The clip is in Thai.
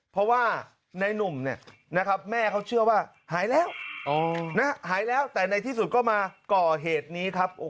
เพราะว่าในนุ่มเนี่ยนะครับแม่เขาเชื่อว่าหายแล้วหายแล้วแต่ในที่สุดก็มาก่อเหตุนี้ครับ